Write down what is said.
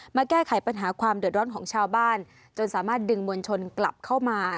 แก้ไขปัญหาความเดือดร้อนของชาวบ้านจนสามารถดึงมวลชนกลับเข้ามา